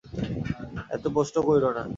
এত প্রশ্ন কইরো না।